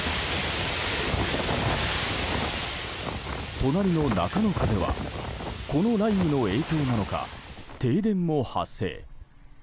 隣の中野区ではこの雷雨の影響なのか停電も発生。